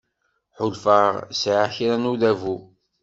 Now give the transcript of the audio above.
Ḥulfaɣ sεiɣ kra n udabu.